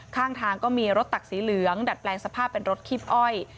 ข้างทางก็มีรถตักสีเหลืองดัดแปลงสภาพเป็นรถคีบอ้อย